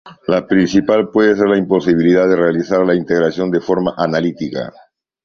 La principal puede ser la imposibilidad de realizar la integración de forma analítica.